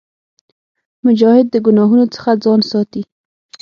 مجاهد د ګناهونو څخه ځان ساتي.